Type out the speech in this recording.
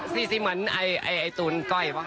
สีที่เหมือนไอ้ตูนก้อยป่ะ